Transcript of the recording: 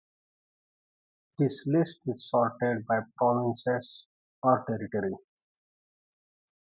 This list is sorted by province or territory.